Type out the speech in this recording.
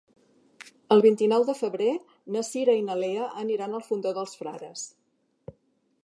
El vint-i-nou de febrer na Cira i na Lea aniran al Fondó dels Frares.